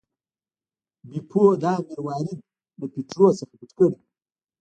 بیپو دا مروارید له پیټرو څخه پټ کړی و.